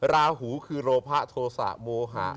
ราหูคือโรพะโทสะโมหะ